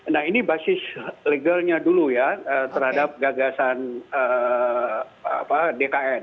nah ini basis legalnya dulu ya terhadap gagasan dkn